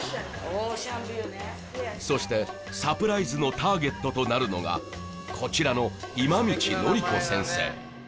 そしてサプライズのターゲットとなるのがこちらの今道徳子先生